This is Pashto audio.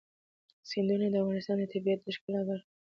سیندونه د افغانستان د طبیعت د ښکلا برخه ده.